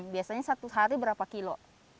biasanya satu hari berapa kilo